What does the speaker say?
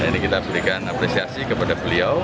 dan ini kita berikan apresiasi kepada beliau